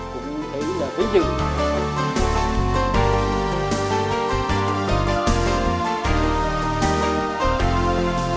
cũng thấy là vinh dự